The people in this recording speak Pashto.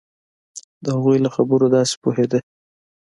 د هغوی له خبرو داسې پوهېده.